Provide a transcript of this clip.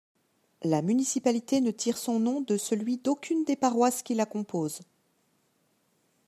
La municipalité ne tire son nom de celui d'aucune des paroisses qui la composent.